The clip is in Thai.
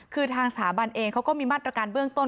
คือทางสถาบันเองเขาก็มีมาตรการเบื้องต้น